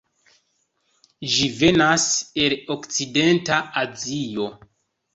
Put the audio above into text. Ĝi venas el okcidenta Azio.